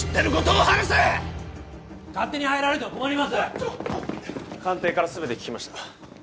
ちょっ官邸から全て聞きました